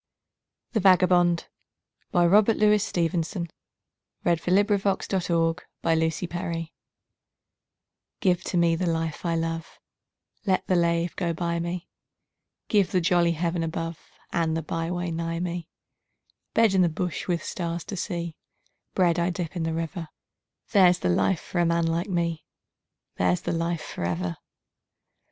Other Verses by Robert Louis Stevenson ITHE VAGABOND (To an air of Schubert) GIVE to me the life I love, Let the lave go by me, Give the jolly heaven above And the byway nigh me. Bed in the bush with stars to see, Bread I dip in the river There's the life for a man like me, There's the life for ever.